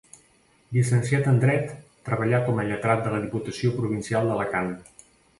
Llicenciat en dret, treballà com a lletrat de la Diputació Provincial d'Alacant.